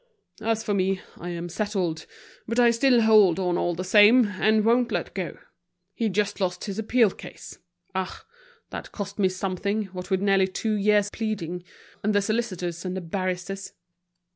"As for me. I am settled. But I still hold on all the same, and won't let go. He's just lost his appeal case. Ah! that's cost me something, what with nearly two years' pleading, and the solicitors and the barristers!